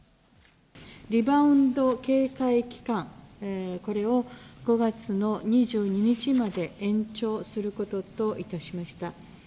リバウンド警戒期間、これを５月の２２日まで延長することといたしました。